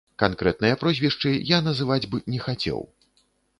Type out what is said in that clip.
Канкрэтныя прозвішчы я называць б не хацеў.